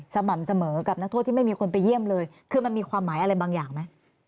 สม่ำเสมอกับนักโทษที่ไม่มีคนไปเยี่ยมเลยคือมันมีความหมายอะไรบางอย่างไหม